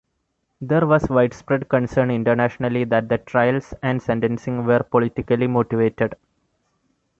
There was widespread concern internationally that the trials and sentencing were politically motivated.